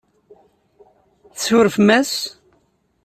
Tsurfem-as?